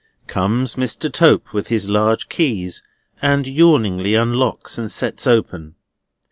Comes Mr. Tope with his large keys, and yawningly unlocks and sets open.